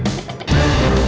lo sudah bisa berhenti